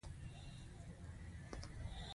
د هغه کارګر لپاره ستاسو په هدایت امتیاز منل شوی دی